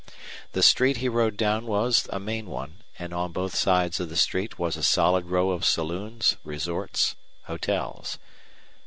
The street he rode down was a main one, and on both sides of the street was a solid row of saloons, resorts, hotels.